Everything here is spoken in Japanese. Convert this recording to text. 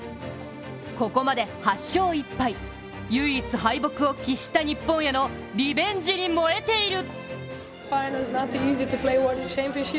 ここまで８勝１敗、唯一敗北を喫した日本へのリベンジに燃えている。